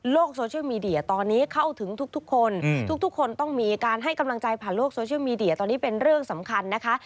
โซเชียลมีเดียตอนนี้เข้าถึงทุกคนทุกคนต้องมีการให้กำลังใจผ่านโลกโซเชียลมีเดียตอนนี้เป็นเรื่องสำคัญนะคะ